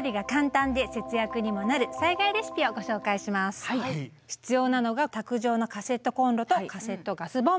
在宅避難に備えて必要なのが卓上のカセットコンロとカセットガスボンベ。